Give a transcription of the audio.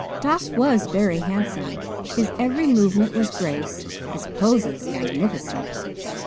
Doc was very handsome; his every movement was grace; his poses magnificent.